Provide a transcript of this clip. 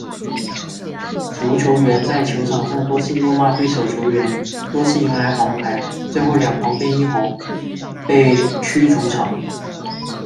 足球员在球场上多次怒骂对方球员，多次迎来黄牌，最后两黄变一红，被逐离场。